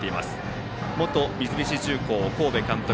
元三菱重工神戸監督